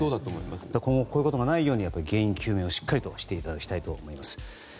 今後、こういうことがないように原因究明をしっかりしていただきたいです。